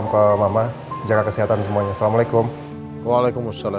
papa jemput mama dulu ya